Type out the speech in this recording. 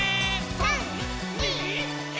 ３、２、１。